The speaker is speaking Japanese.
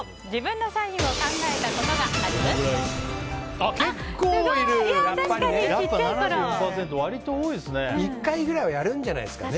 ７４％、割と多いですね。